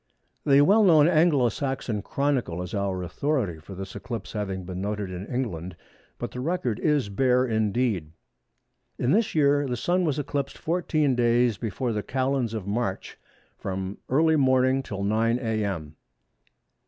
The well known Anglo Saxon Chronicle is our authority for this eclipse having been noted in England, but the record is bare indeed:—"In this year the Sun was eclipsed 14 days before the Calends of March from early morning till 9 a.m."